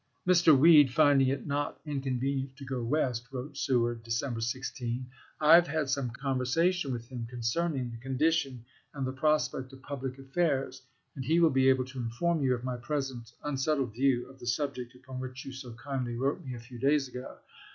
"Mr. Weed finding it not inconvenient to go West," wrote Seward, De cember 16, "I have had some conversation with him concerning the condition and the prospect of public affairs, and he will be able to inform you of my present unsettled view of the subject upon which you so kindly wrote me a few days ago.